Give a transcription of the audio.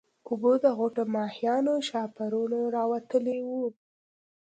اوبه د غوټه ماهيانو شاهپرونه راوتلي وو.